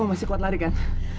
ibu bakal mencari dendam saya pun